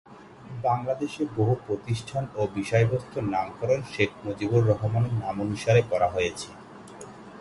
বাংলাদেশের বহু প্রতিষ্ঠান ও বিষয়বস্তুর নামকরণ শেখ মুজিবুর রহমানের নামানুসারে করা হয়েছে।